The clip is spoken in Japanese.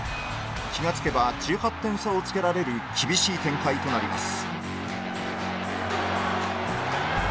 気が付けば１８点差をつけられる厳しい展開となります